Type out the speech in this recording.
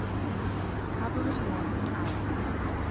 Cabel was also known as Ary.